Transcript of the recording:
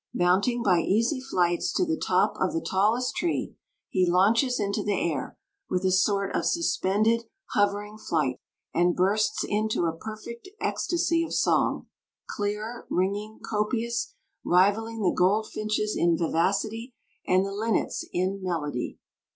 Mounting by easy flights to the top of the tallest tree, he launches into the air, with a sort of suspended, hovering flight, and bursts into a perfect ecstasy of song clear, ringing, copious, rivaling the goldfinch's in vivacity and the linnet's in melody.